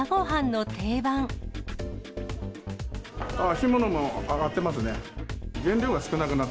干物も上がってますね。